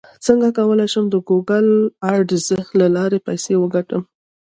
څنګه کولی شم د ګوګل اډز له لارې پیسې وګټم